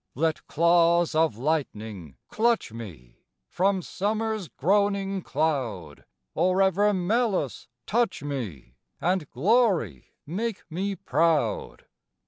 Let claws of lightning clutch me From summer's groaning cloud, Or ever malice touch me, And glory make me proud.